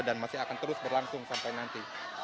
dan masih akan terus berlangsung sampai nanti